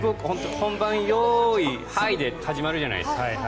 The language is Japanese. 本番よーい、はいで始まるじゃないですか。